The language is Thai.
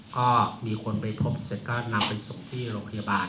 ก็มีคนไปพบเสร็จก็นำไปส่งที่โรงพยาบาล